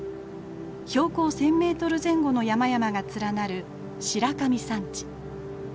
標高１，０００メートル前後の山々が連なる白神山地。